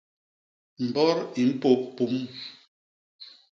Mbot i mpôp pum!